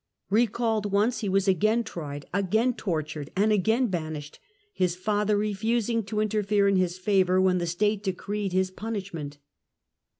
Recalled once, he was again tried, again tortured and again banished, his father refusing to inter fere in his favour when the State decreed his punish ment.